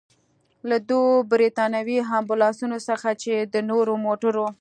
له دوو برتانوي امبولانسونو څخه، چې د نورو موټرو.